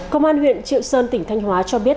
công an huyện triệu sơn tỉnh thanh hóa cho biết